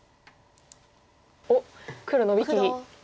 おっ黒ノビきり。